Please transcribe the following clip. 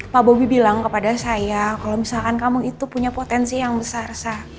pak bobi bilang kepada saya kalau misalkan kamu itu punya potensi yang besar